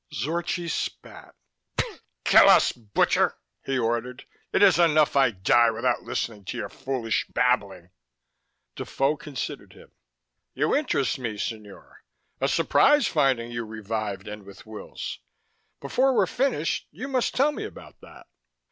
Zorchi spat. "Kill us, butcher," he ordered. "It is enough I die without listening to your foolish babbling." Defoe considered him. "You interest me, Signore. A surprise, finding you revived and with Wills. Before we're finished, you must tell me about that."